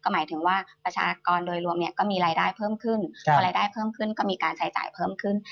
หมายถึงว่าประชากรบริษัทโดยรวมก็มีรายได้เพิ่มขึ้นและก็มีการใช้จ่ายเพิ่มขึ้น